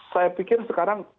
saya pikir sekarang